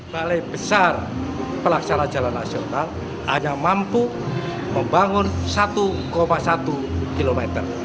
balai besar pelaksana jalan nasional hanya mampu membangun satu satu km